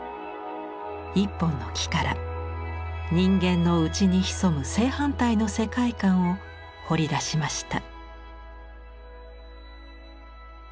一本の木から人間の内に潜む正反対の世界観を彫り出しました。